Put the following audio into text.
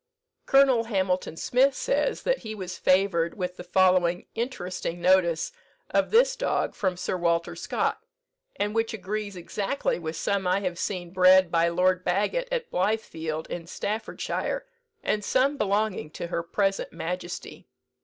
Colonel Hamilton Smith says, that he was favoured with the following interesting notice of this dog from Sir Walter Scott, and which agrees exactly with some I have seen bred by Lord Bagot at Blithfield in Staffordshire, and some belonging to Her present Majesty.